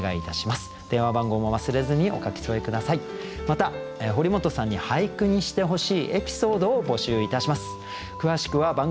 また堀本さんに俳句にしてほしいエピソードを募集いたします。